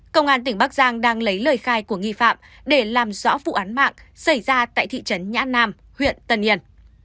công an tỉnh bắc giang đang lấy lời khai của nghi phạm để làm rõ vụ án mạng xảy ra tại thị trấn nhã nam huyện tân yên